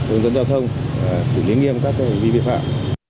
hướng dẫn giao thông xử lý nghiêm các vi phạm